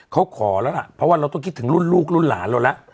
เขาขอแล้วล่ะเพราะว่าเราต้องคิดถึงรุ่นลูกรุ่นหลานเราแล้ว